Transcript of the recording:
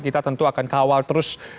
kita tentu akan ke awal terus